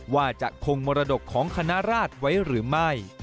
ว่าจะคงมรดกของคณะราชไว้หรือไม่